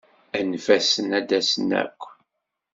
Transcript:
Anef-asen ad d-asen akk.